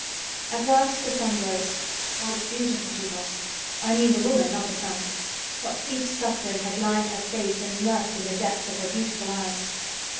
At last the sun rose. How beautiful she was! I mean the woman, not the sun. What deep suffering had lined her face and lurked in the depths of her beautiful eyes!